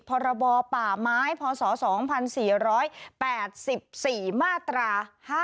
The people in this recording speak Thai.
พรบป่าไม้พศ๒๔๘๔มาตรา๕๗